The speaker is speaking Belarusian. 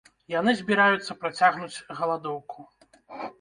Яны збіраюцца працягнуць галадоўку.